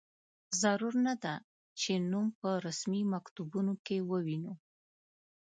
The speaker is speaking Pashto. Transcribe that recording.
ضرور نه ده چې نوم په رسمي مکتوبونو کې ووینو.